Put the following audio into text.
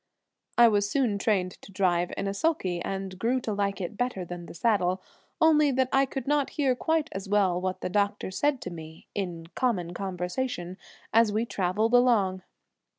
I was soon trained to drive in a sulky, and grew to like it better than the saddle, only that I could not hear quite as well what the doctor said to me in common conversation as we traveled along.